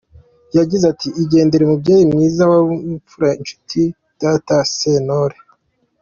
Yagize ati “Igendere mubyeyi mwiza, wari imfura, inshuti ya Data Sentore.